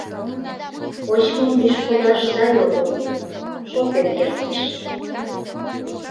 Почмым виш кодаш сай огыл, шопен кертеш...